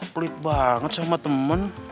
pelit banget sama temen